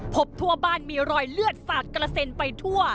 พบทั่วบ้านมีรอยเลือดสาดกระเซ็นไปทั่ว